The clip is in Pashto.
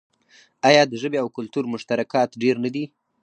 آیا د ژبې او کلتور مشترکات ډیر نه دي؟